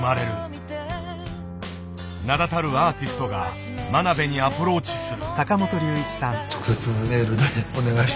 名だたるアーティストが真鍋にアプローチする。